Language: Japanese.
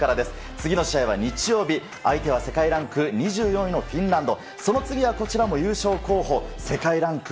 次の試合は日曜日、相手は世界ランク２４位のフィンランド。